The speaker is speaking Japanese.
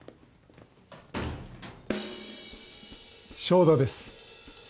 正田です。